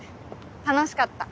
楽しかった。